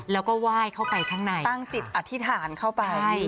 แล้วก็ไหว้เข้าไปข้างในตั้งจิตอธิษฐานเข้าไป